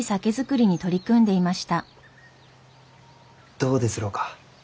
どうですろうか？